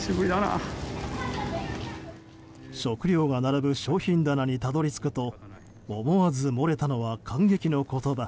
食料が並ぶ商品棚にたどり着くと思わず漏れたのは、感激の言葉。